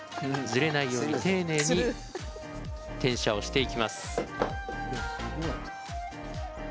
ずれないように、丁寧に転写をしていきます。